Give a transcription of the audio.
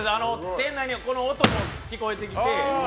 店内にこの音も聞こえてきて俺のやつ